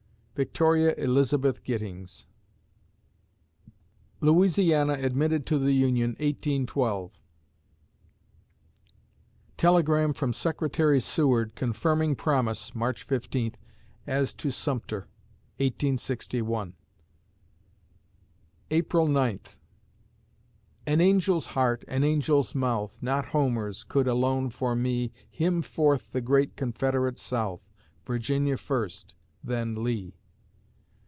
VICTORIA ELIZABETH GITTINGS Louisiana admitted to the Union, 1812 Telegram from Secretary Seward confirming promise (March 15) as to Sumter, 1861 April Ninth An angel's heart, an angel's mouth, Not Homer's, could alone for me Hymn forth the great Confederate South, Virginia first, then Lee.